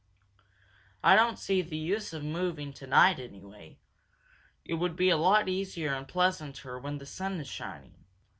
"I don't see the use of moving tonight, anyway. It would be a lot easier and pleasanter when the sun is shining.